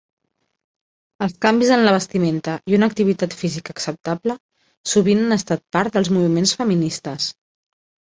Els canvis en la vestimenta i una activitat física acceptable sovint han estat part dels moviments feministes.